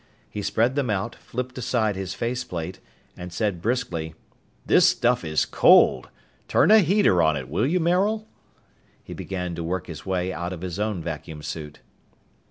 He spread them out, flipped aside his faceplate, and said briskly, "This stuff is cold! Turn a heater on it, will you, Maril?" He began to work his way out of his own vacuum suit.